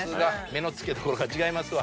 目の付け所が違いますわ。